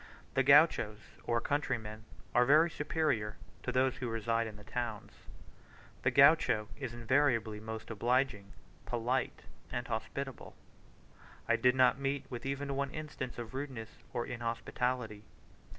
The Gauchos, or countryrmen, are very superior to those who reside in the towns. The Gaucho is invariably most obliging, polite, and hospitable: I did not meet with even one instance of rudeness or inhospitality.